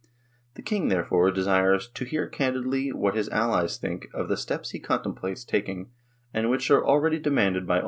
The King, therefore, desires " to hear candidly what his allies think of the steps he contemplates taking and which are already demanded by